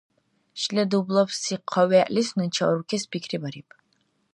Шила дублабси хъа вегӀли сунечи арукес пикрибариб.